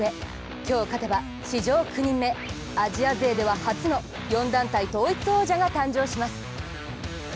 今日勝てば、史上９人目アジア勢では初の４団体統一王者が誕生します。